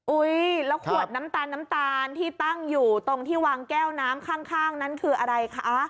แล้วขวดน้ำตาลน้ำตาลที่ตั้งอยู่ตรงที่วางแก้วน้ำข้างนั้นคืออะไรคะ